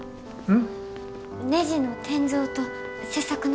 うん。